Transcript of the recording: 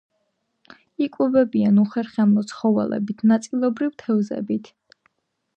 იკვებებიან უხერხემლო ცხოველებით, ნაწილობრივ თევზებით.